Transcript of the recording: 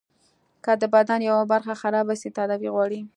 که د بدن يوه برخه خرابه سي تداوي غواړي.